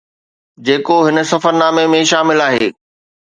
جيڪو هن سفرنامي ۾ شامل آهي